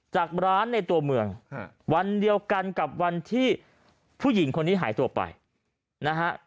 จากร้านในตัวเมืองวันเดียวกันกับวันที่ผู้หญิงคนนี้หายตัวไปนะฮะ